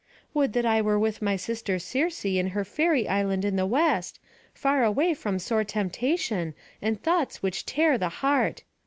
"Would that I were with my sister Circe in her fairy island in the West, far away from sore temptation, and thoughts which tear the heart!